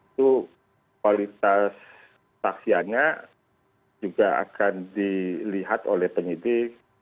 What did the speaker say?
itu kualitas saksiannya juga akan dilihat oleh penyidik